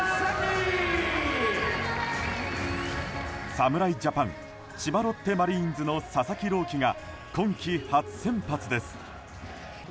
侍ジャパン千葉ロッテマリーンズの佐々木朗希が今季初先発です。